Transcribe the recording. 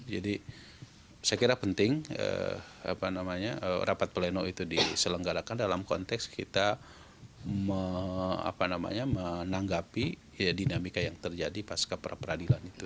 jadi saya kira penting rapat pleno itu diselenggarakan dalam konteks kita menanggapi dinamika yang terjadi pasca perapradilan itu